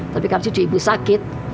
tapi kamu cucu ibu sakit